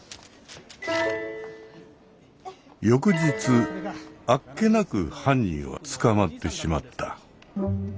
翌日あっけなく犯人は捕まってしまった。